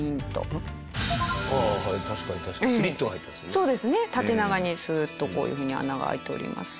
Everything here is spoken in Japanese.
そうですね縦長にスーッとこういう風に穴が開いております。